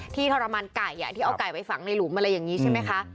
ทรมานไก่ที่เอาไก่ไปฝังในหลุมอะไรอย่างนี้ใช่ไหมคะ